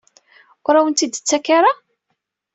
Ur awen-tt-id-tettak ara?